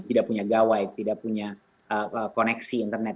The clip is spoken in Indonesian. tidak punya gawai tidak punya koneksi internet